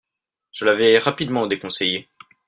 Je l'avais rapidement déconseillé.